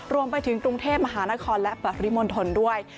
รวมไปถึงกรุงเทพมหานครและปริมณฑลด้วย